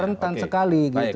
rentan sekali gitu